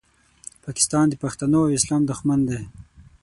پاکستان د پښتنو او اسلام دوښمن دی